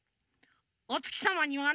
おつきさまにはね